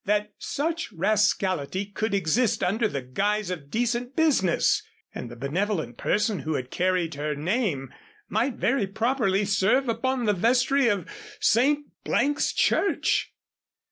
That such rascality could exist under the guise of decent business! And the benevolent person who had carried her name might very properly serve upon the vestry of St. 's church!